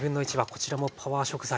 こちらもパワー食材。